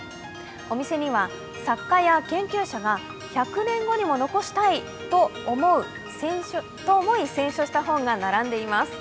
お店には作家や研究者が１００年後にも残したいと思い選書した本が並んでいます。